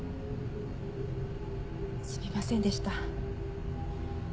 すみませんでした。